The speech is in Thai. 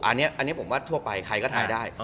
อันนี้ผมว่าทั่วไปใครก็ถ่ายได้